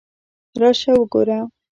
راشه وګوره!